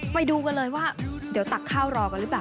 ไปดูกันเลยว่าเดี๋ยวตักข้าวรอกันหรือเปล่า